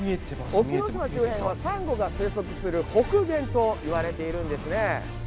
沖ノ島周辺はさんごが生息する北限と言われているんですね。